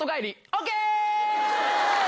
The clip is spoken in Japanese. ＯＫ！